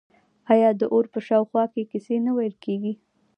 آیا د اور په شاوخوا کې کیسې نه ویل کیږي؟